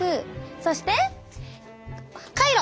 そしてカイロ。